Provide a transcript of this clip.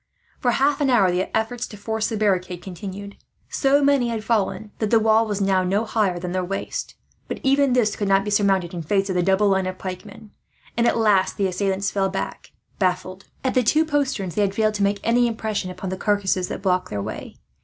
For half an hour the efforts to force the barricade continued. So many had fallen that the wall was now no higher than their waist; but even this could not be surmounted, in face of the double line of pikemen; and at last the assailants fell back, baffled. At the two posterns, they had failed to make any impression upon the carcasses that blocked their way.